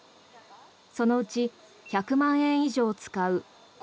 そのうち１００万円以上使う高